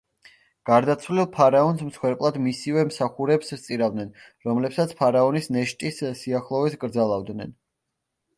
გარდაცვლილ ფარაონს მსხვერპლად მისივე მსახურებს სწირავდნენ, რომლებსაც ფარაონის ნეშტის სიახლოვეს კრძალავდნენ.